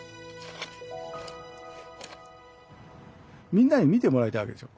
みんなに見てもらいたいわけですよ。